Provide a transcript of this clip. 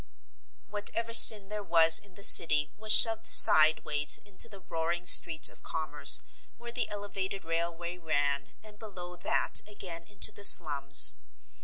Whatever sin there was in the City was shoved sideways into the roaring streets of commerce where the elevated railway ran, and below that again into the slums.